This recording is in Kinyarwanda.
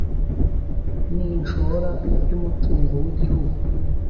n ishora ry umutungo w Igihugu